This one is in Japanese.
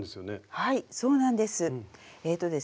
はいそうなんです。